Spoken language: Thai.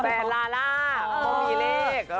แฟนลาล่าพ่อมีเลข